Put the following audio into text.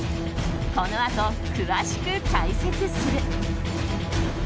このあと、詳しく解説する。